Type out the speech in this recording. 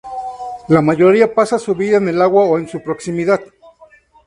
La mayoría pasa su vida en el agua o en su proximidad.